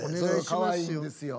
かわいいんですよ。